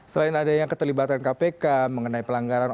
selain adanya keterlibatan kpk mengenai pelanggaran